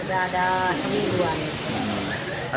sudah ada semingguan